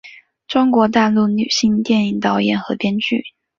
中国大陆女性电影导演和编剧。